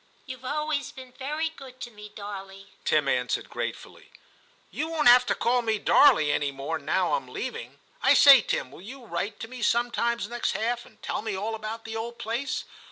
'You've always been very good to me, Darley,' Tim answered gratefully. ' You won't have to call me " Darley " any more now I'm leaving. I say, Tim, will you write to me sometimes next half and tell me all about the old place